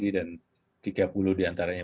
dan tiga puluh diantaranya